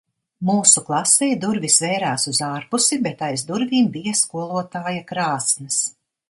Mūsu klasei durvis vērās uz ārpusi bet aiz durvīm bija skolotāja krāsns.